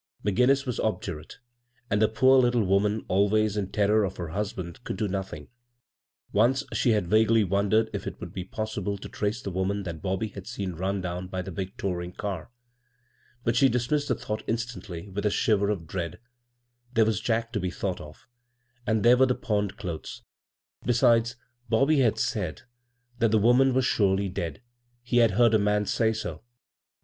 McGinnis was obdurate, and the poor little woman, always in terror of her husband, could do nothing. Once she had vaguely wondered if it would be possible to trace the woman that Bobby had seen run down by the Hg touring car ; but she dismissed the thought instantly with a shiver of dread — there was Jack to be thought of, and there were the pawned dothes; besides, BoUiy had said that the 9® bvGoogle CROSS CURRENTS woman was surely dead — ^he had heard a man say so.